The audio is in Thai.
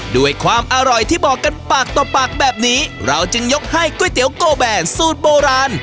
ด้วยความอร่อยที่บอกกันปากต่อปากแบบนี้เราจึงยกให้ก๋วยเตี๋ยวโกแบนสูตรโบราณ